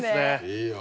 いいよ。